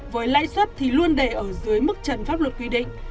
với lãi suất thì luôn để ở dưới mức trần pháp luật quy định